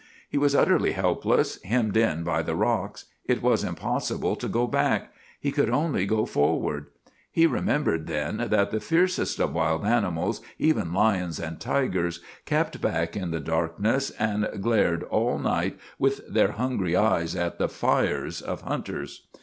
He was utterly helpless, hemmed in by the rocks. It was impossible to go back. He could only go forward. He remembered then that the fiercest of wild animals, even lions and tigers, kept back in the darkness and glared all night with their hungry eyes at the fires of hunters.